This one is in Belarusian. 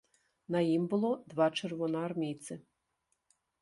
На ім было два чырвонаармейцы.